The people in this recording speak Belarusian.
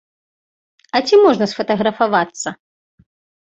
А ці можна сфатаграфавацца?